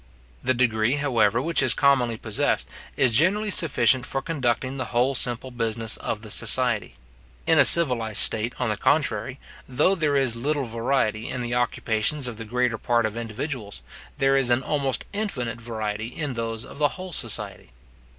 The degree, however, which is commonly possessed, is generally sufficient for conducting the whole simple business of the society. In a civilized state, on the contrary, though there is little variety in the occupations of the greater part of individuals, there is an almost infinite variety in those of the whole society.